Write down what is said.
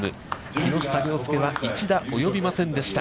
木下稜介は一打及びませんでした。